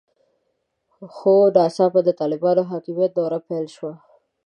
خو ناڅاپه د طالبانو حاکمیت دوره پیل شوه.